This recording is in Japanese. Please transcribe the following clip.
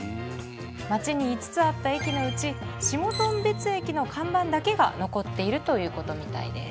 町に５つあった駅のうち下頓別駅の看板だけが残っているということみたいです。